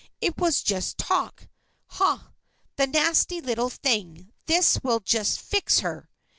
It was just talk. Ha! the nasty little thing. This will just fix her!"